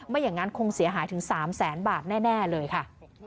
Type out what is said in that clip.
อย่างนั้นคงเสียหายถึง๓แสนบาทแน่เลยค่ะ